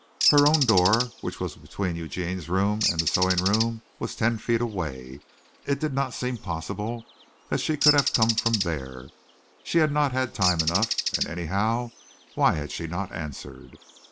Her own door which was between Eugene's room and the sewing room was ten feet away. It did not seem possible that she could have come from there: she had not had time enough, and anyhow why had she not answered?